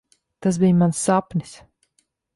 Tas bija mans sapnis.